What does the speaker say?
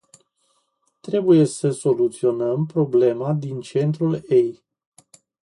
Trebuie să soluționăm problema din centrul ei.